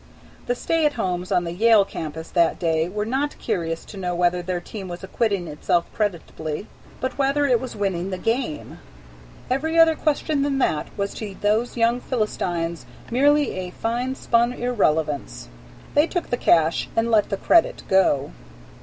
The stay at homes on the Yale campus that day were not curious to know whether their team was acquitting itself creditably, but whether it was winning the game. Every other question than that was to those young Philistines merely a fine spun irrelevance. They took the Cash and let the Credit go.